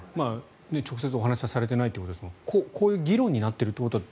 直接、お話はされていないということですがこういう議論になっているということは。